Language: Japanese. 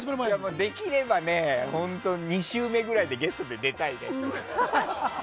できれば２週目くらいでゲストに出たいのよ。